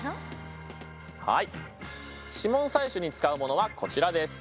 指紋採取に使うものはこちらです。